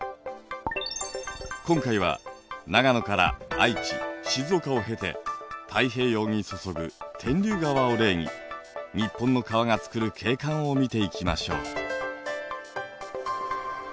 今回は長野から愛知静岡を経て太平洋に注ぐ天竜川を例に日本の川が作る景観を見ていきましょう。